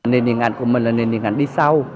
nền điện ảnh của mình là nền điện ảnh đi sau